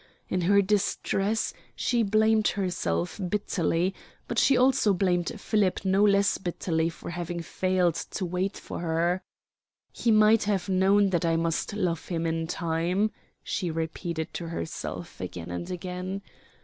In her distress she blamed herself bitterly, but she also blamed Philip no less bitterly for having failed to wait for her. "He might have known that I must love him in time," she repeated to herself again and again.